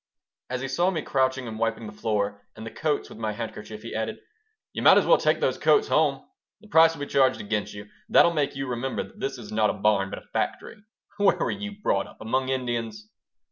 As he saw me crouching and wiping the floor and the coats with my handkerchief he added: "You might as well take those coats home. The price will be charged against you. That 'll make you remember that this is not a barn, but a factory. Where were you brought up? Among Indians?"